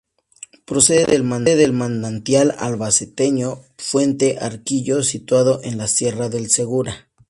Procede del manantial albaceteño Fuente Arquillo, situado en la Sierra del Segura.